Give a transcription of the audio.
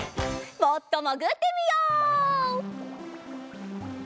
もっともぐってみよう！